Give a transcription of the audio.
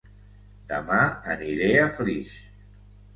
Dema aniré a Flix